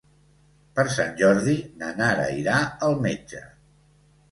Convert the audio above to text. Per Sant Jordi na Nara irà al metge.